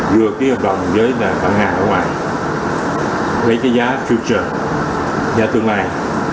vừa ký hợp đồng với tận hàng ở ngoài với cái giá future giá tương lai